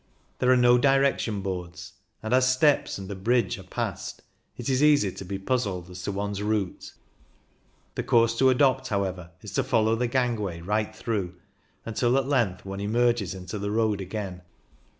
There are no direction boards, and as steps and a bridge are passed, it is easy to be puzzled as to one's route ; the course to adopt, however, is to follow the gangway right through, until at length one emerges into the road again.